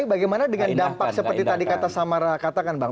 bagaimana dengan dampak seperti tadi kata samara katakan bang